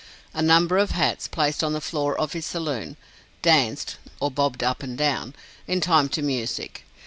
A number of hats, placed on the floor of his saloon, danced (or bobbed up and down) in time to music.